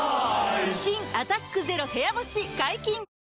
新「アタックＺＥＲＯ部屋干し」解禁‼